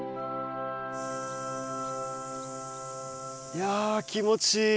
いや気持ちいい。